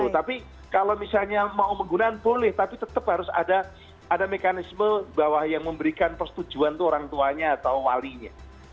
tapi kalau misalnya mau menggunakan boleh tapi tetap harus ada mekanisme bahwa yang memberikan persetujuan itu orang tuanya atau walinya